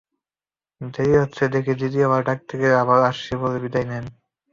দেরি হচ্ছে দেখে দ্বিতীয়বার ডাকতে গেলে আবারও আসছি বলে বিদায় দেন।